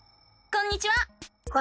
こんにちは。